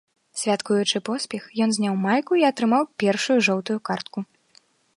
Святкуючы поспех, ён зняў майку і атрымаў першую жоўтую картку.